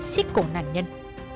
xích cổ nạn nhân